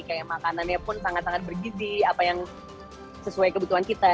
kayak makanannya pun sangat sangat bergizi apa yang sesuai kebutuhan kita